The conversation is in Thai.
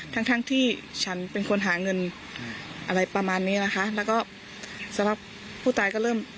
ทั้งทั้งที่ฉันเป็นคนหาเงินอะไรประมาณนี้นะคะแล้วก็สภาพผู้ตายก็เริ่ม